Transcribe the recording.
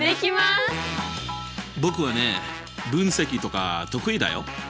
僕はね分析とか得意だよ。